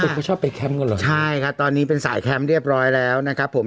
เขาชอบไปแคมป์กันเหรอใช่ครับตอนนี้เป็นสายแคมป์เรียบร้อยแล้วนะครับผม